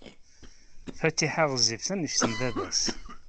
Fatiḥa ɣezzifet anect n baba-s.